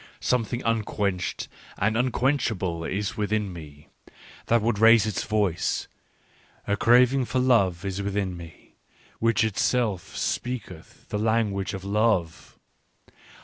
" Something unquenched and unquenchable is within me, that would raise its voice. A craving for love is within me, which itself speaketh the language of love.